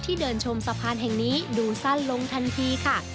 เดินชมสะพานแห่งนี้ดูสั้นลงทันทีค่ะ